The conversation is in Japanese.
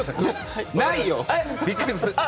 ないよ！